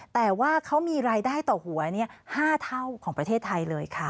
แต่ว่าเขามีรายได้ต่อหัว๕เท่าของประเทศไทยเลยค่ะ